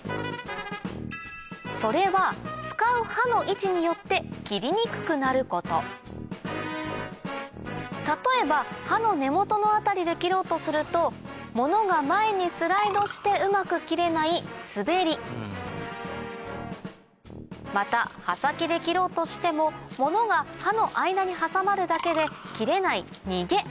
それは例えば刃の根元の辺りで切ろうとするとモノが前にスライドしてうまく切れない「滑り」また刃先で切ろうとしてもモノが刃の間に挟まるだけで切れない「逃げ」